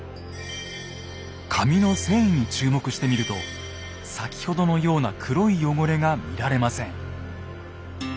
紙の繊維に注目してみると先ほどのような黒い汚れが見られません。